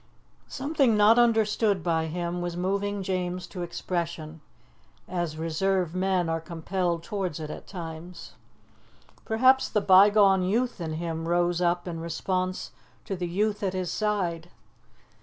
Something not understood by him was moving James to expression, as reserved men are compelled towards it at times. Perhaps the bygone youth in him rose up in response to the youth at his side.